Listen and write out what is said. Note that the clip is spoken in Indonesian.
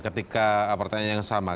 ketika pertanyaannya yang sama